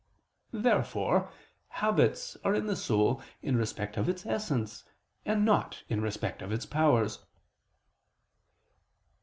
Therefore habits are in the soul in respect of its essence and not in respect of its powers.